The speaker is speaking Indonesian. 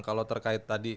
kalau terkait tadi